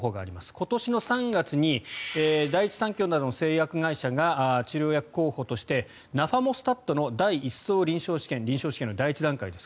今年の３月に第一三共などの製薬会社が治療薬候補としてナファモスタットの第１相臨床試験臨床試験の第１段階です。